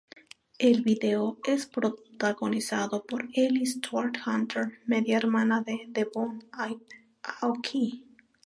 El vídeo es protagonizado por Ellie Stuart Hunter media hermana de Devon Aoki.